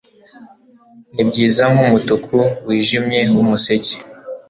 Nibyiza nkumutuku wijimye wumuseke